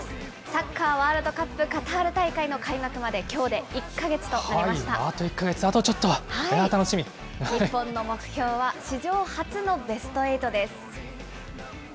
サッカーワールドカップカタール大会の開幕まできょうで１か月とあと１か月、あとちょっと、日本の目標は史上初のベストエイトです。